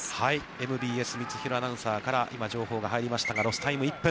ＭＢＳ三ツ廣アナウンサーから今、情報が入りましたが、ロスタイム１分。